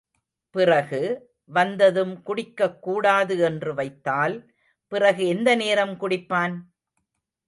பிறகு, வந்ததும் குடிக்கக் கூடாது என்று வைத்தால், பிறகு எந்த நேரம் குடிப்பான்?